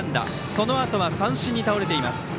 そのあとは三振に倒れています。